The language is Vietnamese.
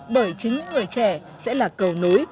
bởi chính người trẻ sẽ là cầu nối